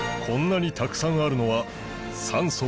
こんなにたくさんあるのはさん